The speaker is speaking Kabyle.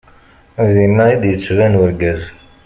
Dinna i d-yettban urgaz.